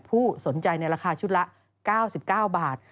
ผู้สนใจในราคาชุดละ๙๙บาท